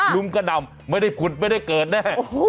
ลุมกระหน่ำไม่ได้ผุดไม่ได้เกิดแน่